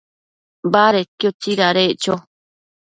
Badedquio tsidadeccho